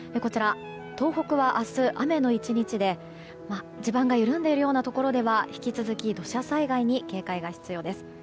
東北は明日、雨の１日で地盤が緩んでいるようなところでは引き続き土砂災害に警戒が必要です。